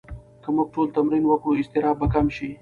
که موږ ټول تمرین وکړو، اضطراب به کم شي.